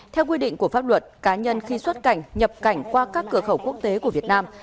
theo quy định của pháp luật cá nhân khi xuất cảnh nhập cảnh qua các cửa khẩu quốc tế của việt nam